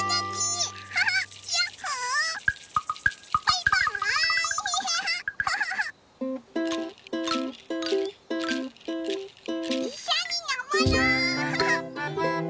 いっしょにのぼろう。